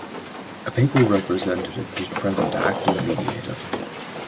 A papal representative was present to act as mediator.